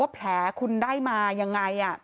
ว่าแผลคุณได้มายังไงอ่ะ